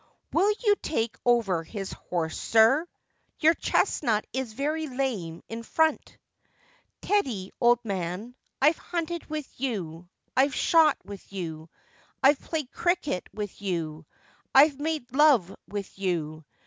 " Will you take over his horse, sir ? Your chestnut is very lame in front." Teddy, old man, I've hunted with you : I've shot with you : I've played cricket with you : I've made love with you.